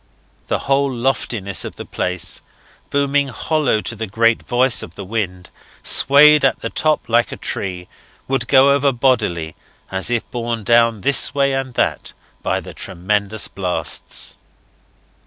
The whole loftiness of the place, booming hollow to the great voice of the wind, swayed at the top like a tree, would go over bodily, as if borne down this way and that by the tremendous blasts.